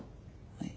はい。